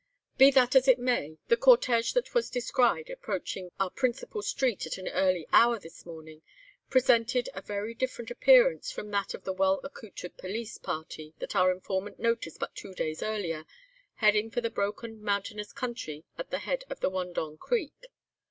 "Be that as it may, the cortège that was descried approaching our principal street at an early hour this morning, presented a very different appearance from that of the well accoutred police party that our informant noticed but two days earlier heading for the broken mountainous country at the head of the Wandong Creek.